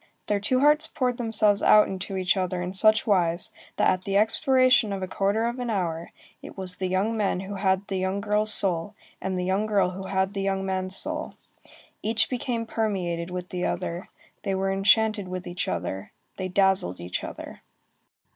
Their two hearts poured themselves out into each other in such wise, that at the expiration of a quarter of an hour, it was the young man who had the young girl's soul, and the young girl who had the young man's soul. Each became permeated with the other, they were enchanted with each other, they dazzled each other.